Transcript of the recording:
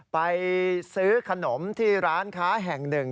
ไปซื้อขนมที่ร้านค้าแห่งหนึ่ง